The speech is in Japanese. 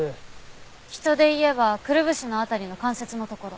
人で言えばくるぶしの辺りの関節のところ。